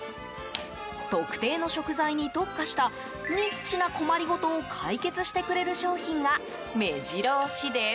特定の食材に特化したニッチな困りごとを解決してくれる商品が目白押しです。